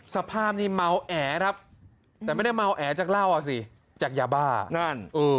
สภาพนี้เมาแอแต่ไม่ได้เมาแอจากเซลละอ่อสิจากยาบ้างอ่ะ